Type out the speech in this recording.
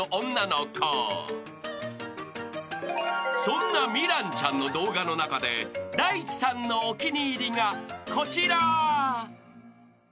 ［そんな望蘭ちゃんの動画の中で大地さんのお気に入りがこちら］